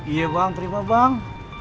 iya bang terima bang